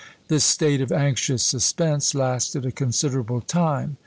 This state of anxious suspense lasted a considerable time.